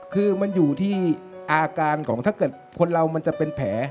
คือมันอยู่ที่อาการของถ้าเกิดคนเรามันจะเป็นแผล